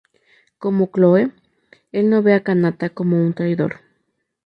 Como Chloe, el no ve a Kanata como un traidor.